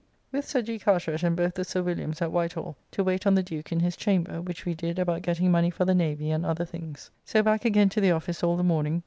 With Sir G. Carteret and both the Sir Williams at Whitehall to wait on the Duke in his chamber, which we did about getting money for the Navy and other things. So back again to the office all the morning.